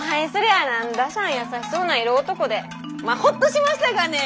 あ何だしゃん優しそうな色男でまっホッとしましたがね！